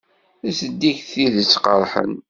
Zeddiget tidet qeṛṛḥen.